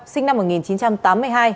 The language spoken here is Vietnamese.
sinh năm một nghìn chín trăm tám mươi hai